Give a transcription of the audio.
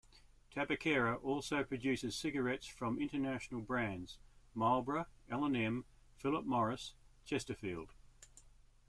Tabaqueira also produces cigarettes from international brands: Marlboro, L and M, Philip Morris, Chesterfield.